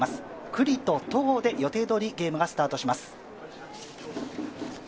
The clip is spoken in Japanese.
九里と戸郷で予定どおりゲームがスタートします。